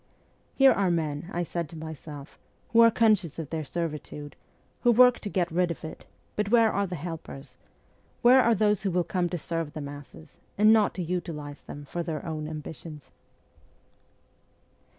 ' Here are men,' I said to myself, ' who are conscious of their servitude, who work to get rid of it ; but where are the helpers ? Where are those who will come to serve the masses not to utilize them for their own ambitions